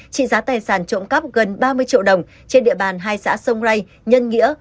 trị giá tài sản trộm cắp gần ba mươi triệu đồng trên địa bàn hai xã sông rây nhân nghĩa